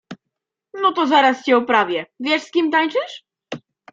No to zaraz cię oprawię. Wiesz z kim tańczysz?